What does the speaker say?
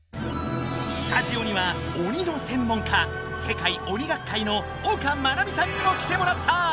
スタジオには鬼の専門家世界鬼学会の丘眞奈美さんにも来てもらった！